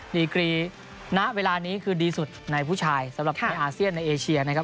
ดีกรีณเวลานี้คือดีสุดในผู้ชายสำหรับในอาเซียนในเอเชียนะครับ